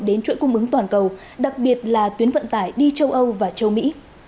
đến chuỗi cung ứng toàn cầu đặc biệt là tuyến vận tải đi châu âu và châu mỹ